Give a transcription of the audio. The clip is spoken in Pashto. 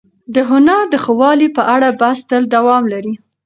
د هنر د ښه والي په اړه بحث تل دوام لري.